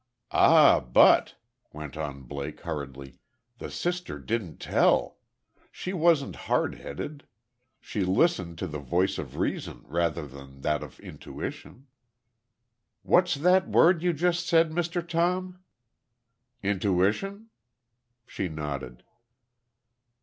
"Ah, but," went on Blake, hurriedly, "the sister didn't tell. She wasn't hard headed. She listened to the voice of reason, rather than to that of intuition " "What's that word you just said, Mr. Tom?" "Intuition?" She nodded.